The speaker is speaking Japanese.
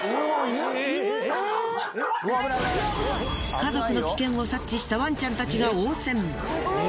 家族の危険を察知したワンちゃんたちが応戦。